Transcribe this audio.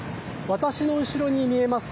私の後ろに見えます